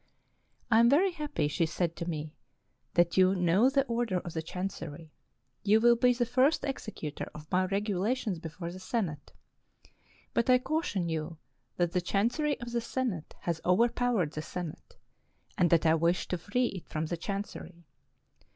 " I am very happy," she said to me, " that you know the order of the Chancery. You will be the first executor of my Regulations before the Senate. But I caution you that the Chancery of the Senate has overpowered the Senate, and that I wish to free it from the Chancery.